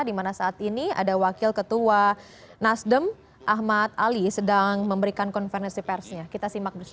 dimana saat ini ada wakil ketua nasdem ahmad ali sedang memberikan konferensi persnya kita simak bersama